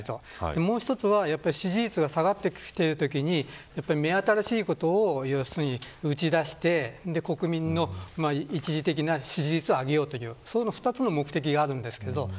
もう一つは支持率が下がっているときに目新しいことを打ち出して国民の一時的な支持率を上げようというのがあります。